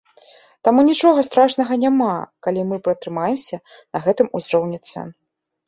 Таму нічога страшнага няма, калі мы пратрымаемся на гэтым узроўні цэн.